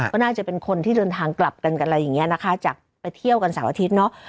ก็น่าจะเป็นคนที่เดินทางกลับกันกับอะไรอย่างเงี้ยนะคะจากไปเที่ยวกันเสาร์อาทิตย์เนาะ